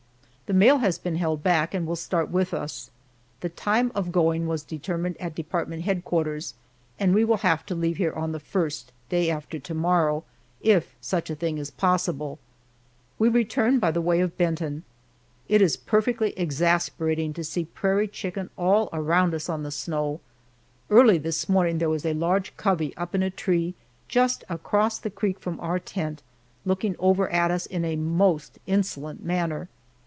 The mail has been held back, and will start with us. The time of going was determined at Department Headquarters, and we will have to leave here on the first day after to morrow if such a thing is possible. We return by the way of Benton. It is perfectly exasperating to see prairie chicken all around us on the snow. Early this morning there was a large covey up in a tree just across the creek from our tent, looking over at us in a most insolent manner.